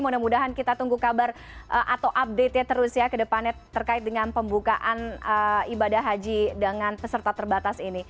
mudah mudahan kita tunggu kabar atau update nya terus ya ke depannya terkait dengan pembukaan ibadah haji dengan peserta terbatas ini